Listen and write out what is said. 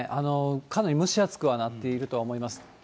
かなり蒸し暑くはなっていると思